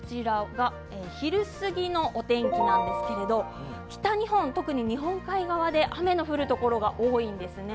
昼過ぎのお天気なんですけど北日本、特に日本海側で雨の降るところが多いんですね。